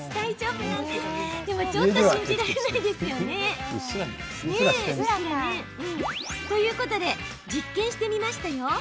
でも、ちょっと信じられないですよね？ということで実験してみました。